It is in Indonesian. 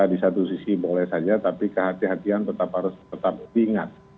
di satu sisi boleh saja tapi kehatian kehatian tetap harus tetap diingat